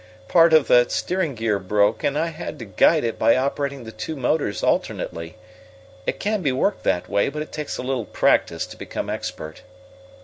"Part of the steering gear broke and I had to guide it by operating the two motors alternately. It can be worked that way, but it takes a little practice to become expert."